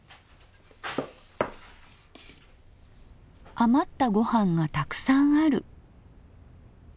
余ったご飯がたくさんある。